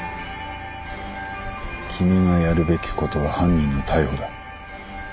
君がやるべきことは犯人の逮捕だ。